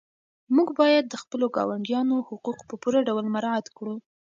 موږ باید د خپلو ګاونډیانو حقوق په پوره ډول مراعات کړو.